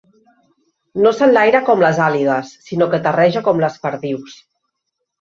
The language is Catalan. No s'enlaira com les àligues, sinó que terreja com les perdius.